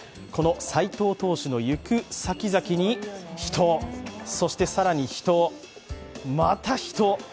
斎藤投手の行く先々に人、そして更に人、また人。